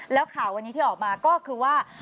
แล้วข่าววันนี้ที่ออกมาก็คือว่า